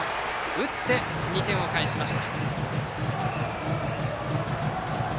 打って２点を返しました。